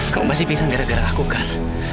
kamu pasti pingsan gara gara aku kan